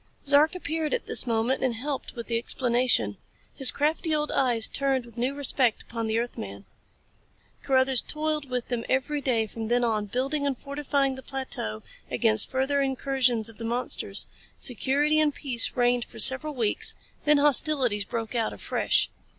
Zark appeared at this moment and helped with the explanation. His crafty old eyes turned with new respect upon the earthman. Carruthers toiled with them every day from then on, building and fortifying the plateau against further incursions of the monsters. Security and peace reigned for several weeks then hostilities broke out afresh.